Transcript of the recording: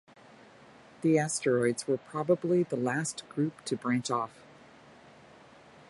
The asteroids were probably the last group to branch off.